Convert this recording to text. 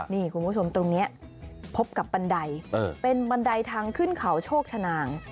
นี่คุณผู้ชมตรงนี้พบกับบันไดเป็นบันไดทางขึ้นเขาโชคชนาง